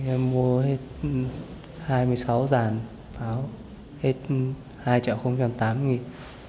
em mua hết hai mươi sáu dàn pháo hết hai triệu tám đi